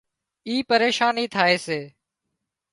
اين پريشانِي ٿائي سي